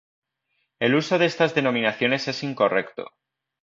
El uso de estas denominaciones es incorrecto.